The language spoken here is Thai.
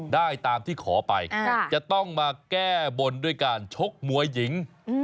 ได้ตามที่ขอไปจะต้องมาแก้บนด้วยการชกมวยหญิง